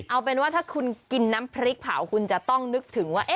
เอาเป็นว่าถ้าคุณกินน้ำพริกเผาคุณจะต้องนึกถึงว่า